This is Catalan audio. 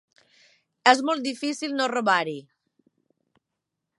És molt difícil no robar-hi.